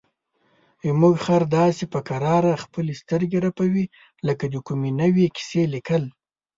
زموږ خر داسې په کراره خپلې سترګې رپوي لکه د کومې نوې کیسې لیکل.